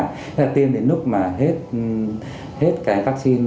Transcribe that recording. thế là tiêm đến lúc mà hết cái vaccine